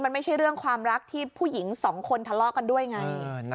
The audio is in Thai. มันไม่ใช่เรื่องความรักที่ผู้หญิงสองคนทะเลาะกันด้วยไง